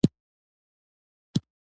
تر څو به لاس ګرېوان وي د يو بل سره پټانــه